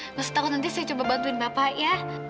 nggak setau nanti saya coba bantuin bapak ya